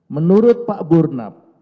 menurut pak burnap